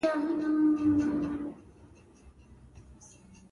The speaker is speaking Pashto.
د زیړي د خارښ لپاره د سرکې اوبه وکاروئ